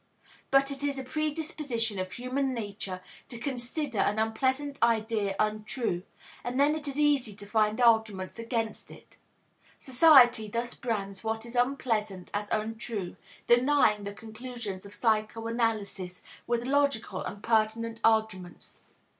But it is a predisposition of human nature to consider an unpleasant idea untrue, and then it is easy to find arguments against it. Society thus brands what is unpleasant as untrue, denying the conclusions of psychoanalysis with logical and pertinent arguments.